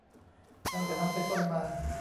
ตั้งแต่นั้นเป็นต้นมา